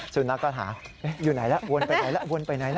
สุนัขก็หาอยู่ไหนล่ะวนไปไหนล่ะวนไปไหนล่ะ